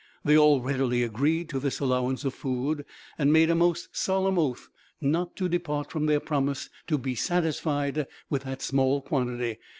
They all readily agreed to this allowance of food, and made a most solemn oath not to depart from their promise to be satisfied with the small quantity.